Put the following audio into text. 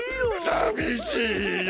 さびしいよ。